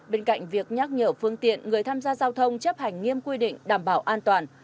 bên cạnh việc nhắc nhở phương tiện người tham gia giao thông chấp hành nghiêm quy định đảm bảo an toàn